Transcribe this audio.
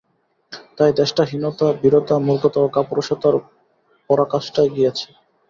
তাই দেশটা হীনতা, ভীরুতা, মূর্খতা ও কাপুরুষতার পরাকাষ্ঠায় গিয়েছে।